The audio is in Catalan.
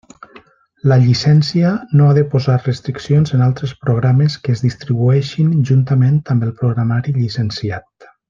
La llicència no ha de posar restriccions en altres programes que es distribueixin juntament amb el programari llicenciat.